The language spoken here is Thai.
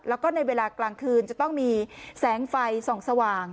แล้วก็ในเวลากลางคืนจะต้องมีแสงไฟส่องสว่าง